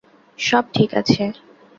সব ঠিক আছে।